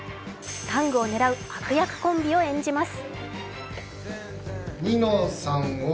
タングを狙う悪役コンビを演じます。